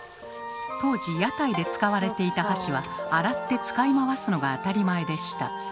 当時屋台で使われていた箸は洗って使い回すのが当たり前でした。